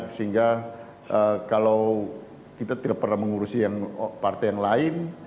sehingga kalau kita tidak pernah mengurusi yang partai yang lain